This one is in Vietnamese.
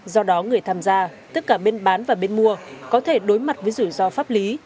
do đó người tham gia tất cả bên bán và bên mua có thể đối mặt với rủi ro pháp lý